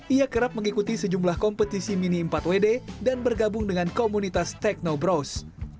ia kerap mengikuti sejumlah kompetisi mini empat wd dan bergabung dengan komunitas teknobros